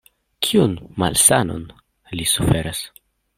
Kiun malsanon li suferas?